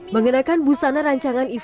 mengenakan busana rancangan ivan